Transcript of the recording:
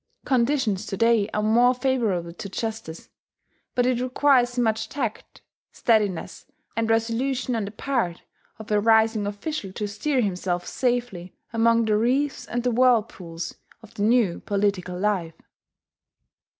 Conditions to day are more favourable to justice; but it requires much tact, steadiness, and resolution on the part of a rising official to steer himself safely among the reefs and the whirlpools of the new political life.